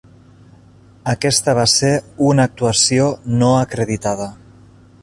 Aquesta va ser una actuació no acreditada.